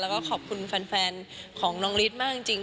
แล้วก็ขอบคุณแฟนของน้องฤทธิ์มากจริง